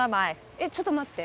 えっちょっと待って。